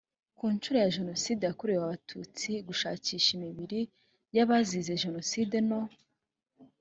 ku nshuro ya jenoside yakorewe abatutsi gushakisha imibiri y abazize jenoside no